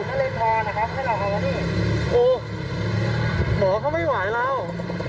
หมอเขาไม่ไหวแล้ว